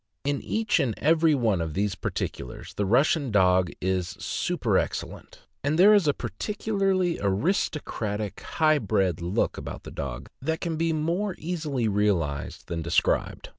In each and every one of these particulars, the Russian dog is superexcellent; and there is a peculiarly aristocratic, high bred look about the dog that can be more easily realized than described.